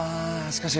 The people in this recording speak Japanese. しかし。